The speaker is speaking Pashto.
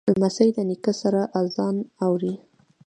لمسی له نیکه سره آذان اوري.